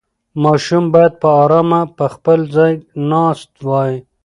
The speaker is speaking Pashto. ماشوم باید په ارامه په خپل ځای ناست وای.